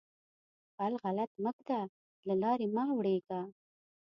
پل غلط مه ږده؛ له لارې مه اوړېږه.